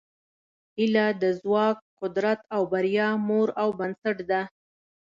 هیله د ځواک، قدرت او بریا مور او بنسټ ده.